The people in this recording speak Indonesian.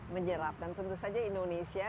menyerap dan tentu saja indonesia